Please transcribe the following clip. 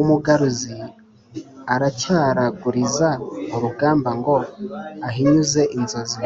umugaruzi aracyaraguriza urugamba ngo ahinyuze inzozi